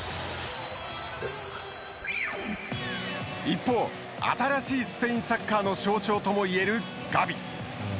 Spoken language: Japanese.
一方、新しいスペインサッカーの象徴ともいえる、ガビ。